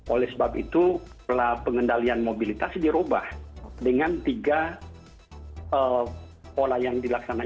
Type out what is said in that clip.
oleh sebab itu pola pengendalian mobilitas dirubah dengan tiga pola yang dilaksanakan